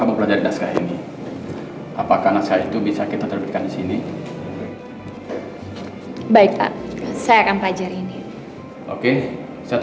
apalagi penulis terkenal itu